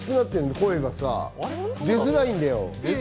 声が出づらいんだよ。